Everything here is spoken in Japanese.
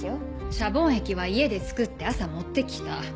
シャボン液は家で作って朝持って来た。